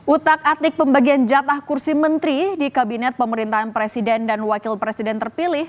utak atik pembagian jatah kursi menteri di kabinet pemerintahan presiden dan wakil presiden terpilih